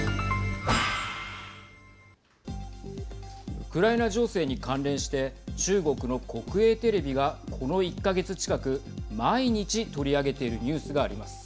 ウクライナ情勢に関連して中国の国営テレビがこの１か月近く毎日取り上げているニュースがあります。